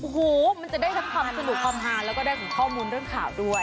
โอ้โหมันจะได้ทั้งความสนุกความฮาแล้วก็ได้ของข้อมูลเรื่องข่าวด้วย